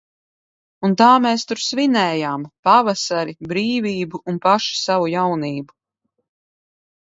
Un tā mēs tur svinējām – pavasari, brīvību un paši savu jaunību.